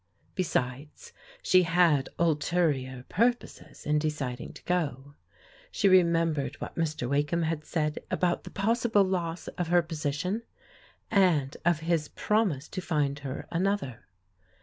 Besides, she had ulterior purposes in deciding to go. She remembered what Mr. Wakeham had said about the possible loss of her position, and of his promise to find her another.